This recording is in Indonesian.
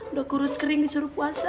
udah kurus kering disuruh puasa